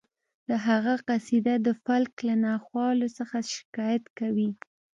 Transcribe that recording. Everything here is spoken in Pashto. د هغه قصیده د فلک له ناخوالو څخه شکایت کوي